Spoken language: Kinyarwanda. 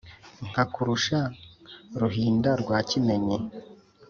Nkakurusha Ruhinda rwa kimenyi